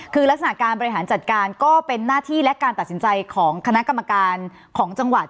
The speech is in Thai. คือลักษณะการบริหารจัดการก็เป็นหน้าที่และการตัดสินใจของคณะกรรมการของจังหวัด